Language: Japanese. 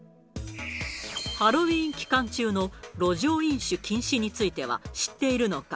ハロウィーン期間中の路上飲酒禁止については、知っているのか。